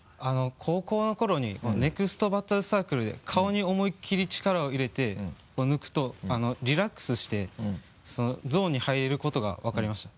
高校の頃にネクストバッターズサークルで顔に思いっきり力を入れてこう抜くとリラックスしてゾーンに入れることが分かりました。